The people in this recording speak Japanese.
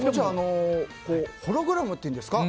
ホログラムというんですか